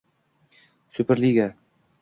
Superliga